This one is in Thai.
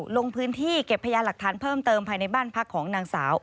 ลงพื้นที่เก็บพยานหลักฐานเพิ่มเติมภายในบ้านพักของนางสาว